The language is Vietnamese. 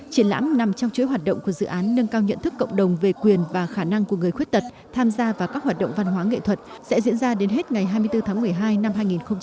triển lãm nằm trong chuỗi hoạt động của dự án nâng cao nhận thức cộng đồng về quyền và khả năng của người khuyết tật tham gia vào các hoạt động văn hóa nghệ thuật sẽ diễn ra đến hết ngày hai mươi bốn tháng một mươi hai năm hai nghìn hai mươi